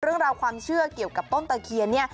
เรื่องราวความเชื่อเกี่ยวกับต้นตะเคียนเนี่ย